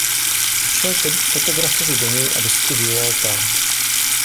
Šel tedy k fotografovi domů a desku vyvolal tam.